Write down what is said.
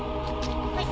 はい。